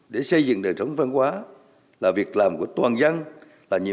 để xây dựng đời sống văn hóa là việc làm của toàn dân